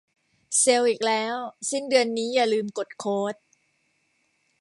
เซลอีกแล้ว สิ้นเดือนนี้ อย่าลืมกดโค้ด